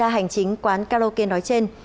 hành chính quán karaoke nói trên